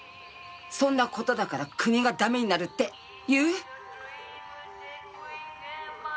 「そんな事だから国が駄目になる」って言う？